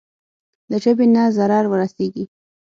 له ژبې نه ضرر ورسېږي.